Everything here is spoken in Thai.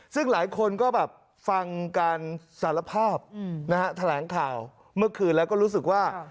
ซึ่งหลายคนก็แบบฟังการสารภาพนะฮะแถลงข่าวเมื่อคืนแล้วก็รู้สึกว่า